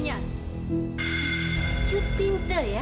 kamu pinter ya